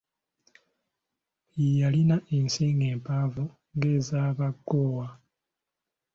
Yalina ensingo empanvu ng’ez’Abagoowa.